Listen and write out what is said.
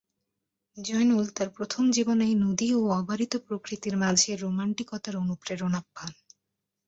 জয়নুল তাঁর প্রথম জীবনেই নদী ও অবারিত প্রকৃতির মাঝে রোমান্টিকতার অনুপ্রেরণা পান।